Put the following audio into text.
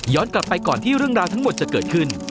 กลับไปก่อนที่เรื่องราวทั้งหมดจะเกิดขึ้น